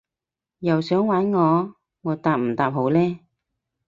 又想玩我？我答唔答好呢？